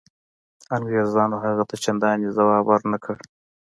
انګرېزانو هغه ته چنداني ځواب ورنه کړ.